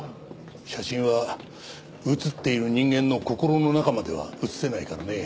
写真は写っている人間の心の中までは写せないからね。